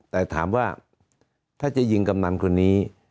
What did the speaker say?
แต่ถามว่าถ้าจะยิงกำนันคนนี้